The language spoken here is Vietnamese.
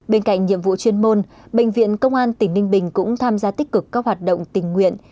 bên cạnh nhiệm vụ chuyên môn bệnh viện công an tỉnh ninh bình cũng tham gia tích cực các hoạt động tình nguyện